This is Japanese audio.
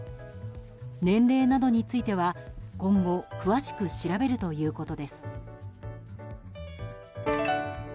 年齢などについては今後、詳しく調べるということです。